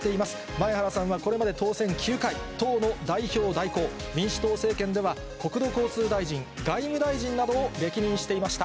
前原さんはこれまで当選９回、党の代表代行、民主党政権では、国土交通大臣、外務大臣などを歴任していました。